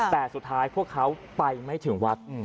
แต่สุดท้ายพวกเขาไปไม่ถึงวัด